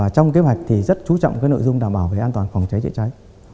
trong kế hoạch rất chú trọng nội dung đảm bảo về an toàn phòng cháy cháy cháy